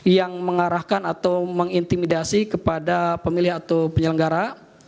yang mengarahkan atau mengintimidasi kepada pemilih atau penyelenggara